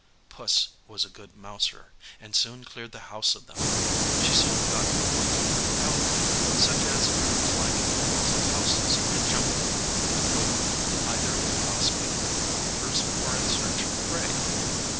Puss was a good mouser, and soon cleared the house of them. She soon got acquainted with town life, such as climbing walls and houses, and jumping from roof to roof, either in gossipping with her neighbours or in search of prey.